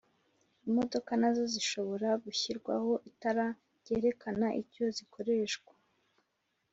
Imodoka nazo zishobora gushyirwaho itara ryerekana icyo zikoreshwa.